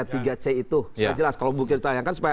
tiga c itu supaya jelas kalau bukan ditayangkan